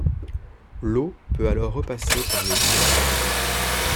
L’eau peut alors repasser par le lit de la rivière.